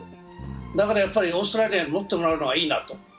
だから、オーストラリアに持ってもらうのがいいなと。